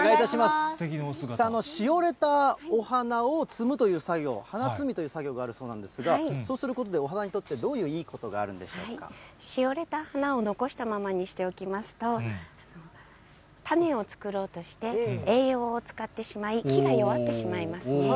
しおれたお花を摘むという作業、花摘みという作業があるそうなんですが、そうすることで、お花にとって、どういういいことがあるしおれた花を残したままにしておきますと、種を作ろうとして、栄養を使ってしまい、木が弱ってしまいます。